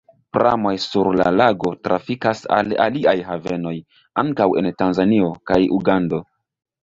Pramoj sur la lago trafikas al aliaj havenoj, ankaŭ en Tanzanio kaj Ugando.